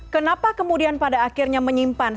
kenapa kemudian pada akhirnya menyimpan